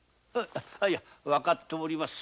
分かっております。